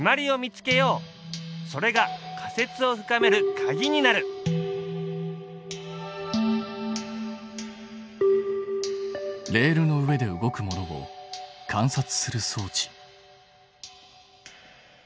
それが仮説を深めるかぎになるレールの上で動く物を観察する装置。